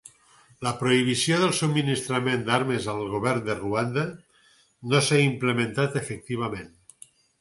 La prohibició del subministrament d'armes al govern de Ruanda no s'ha implementat efectivament.